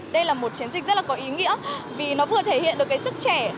đây là một chiến dịch rất là có ý nghĩa vì nó vừa thể hiện được cái sức trẻ